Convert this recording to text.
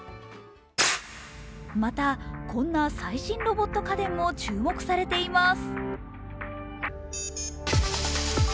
また、こんな最新のロボット家電も注目されています。